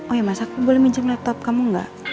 oh ya mas aku boleh minjem laptop kamu nggak